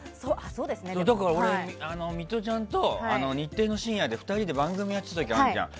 だから俺、ミトちゃんと日テレの深夜で２人で番組やってた時あるじゃん。